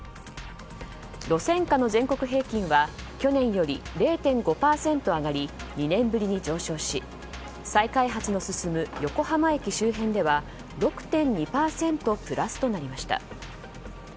路線価の全国平均は去年より０．５％上がり２年ぶりに上昇し再開発の進む横浜駅周辺では６．２％プラスとなりました。